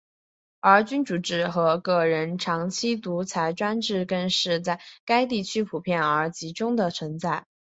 而君主制和个人长期独裁专制更是在该地区普遍而集中地存在。